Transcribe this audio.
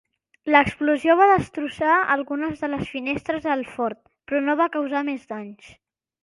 L'explosió va destrossar algunes de les finestres del fort però no va causar més danys.